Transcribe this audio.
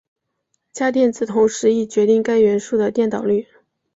价电子同时亦决定该元素的电导率。